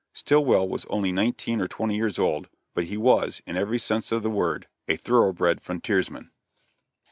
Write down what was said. Stillwell was only nineteen or twenty years old, but he was, in every sense of the word, a thoroughbred frontiersman.